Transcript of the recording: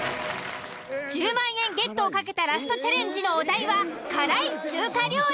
１０万円ゲットを懸けたラストチャレンジのお題は「辛い中華料理」。